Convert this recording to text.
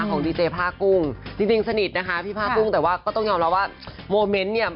ของดีเจผ้ากุ้งจริงสนิทนะคะพี่ผ้ากุ้งแต่ว่าก็ต้องยอมรับว่าโมเมนต์เนี่ย